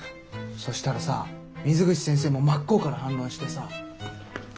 そしたらさ水口先生も真っ向から反論してさ。